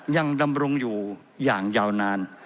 ดำรงอยู่อย่างยาวนาน